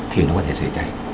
thì nó có thể xảy cháy